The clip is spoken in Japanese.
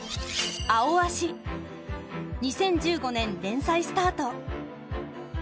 ２０１５年連載スタート。